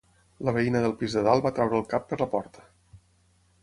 La veïna del pis de dalt va treure el cap per la porta.